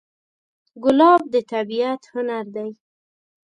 ګلاب د طبیعت هنر دی.